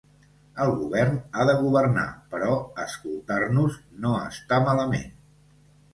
El govern ha de governar, però escoltar-nos no està malament.